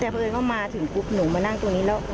แต่พออื่นก็มาถึงกรุ๊ปหนูมานั่งตรงนี้แล้ว